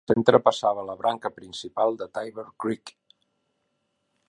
Pel centre passava la branca principal de Tiber Creek.